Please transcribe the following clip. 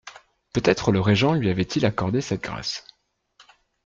Peut-être le régent lui avait-il accordé cette grâce.